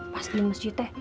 pas di masjid teh